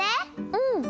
うん！